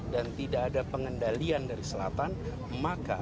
dan tidak ada pengendalian dari daerah pegunungan di selatan jakarta